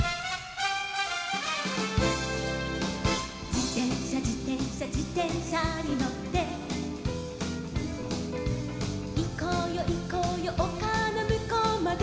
「じてんしゃじてんしゃじてんしゃにのって」「いこうよいこうよおかのむこうまで」